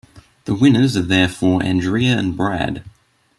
The winners are therefore Andrea and Brad.